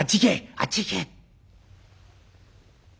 あっち行け」。